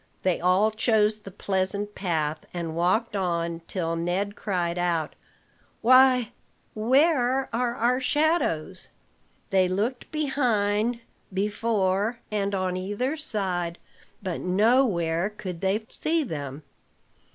They all chose the pleasant path, and walked on till Ned cried out, "Why, where are our shadows?" They looked behind, before, and on either side; but nowhere could they see them.